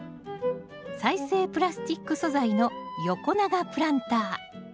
再生プラスチック素材の横長プランター。